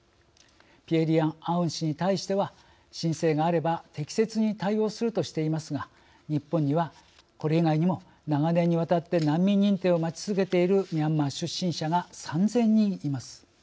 ピエ・リアン・アウン氏に対しては申請があれば適切に対応するとしていますが日本にはこれ以外にも長年にわたって難民認定を待ち続けているミャンマー出身者が３０００人います。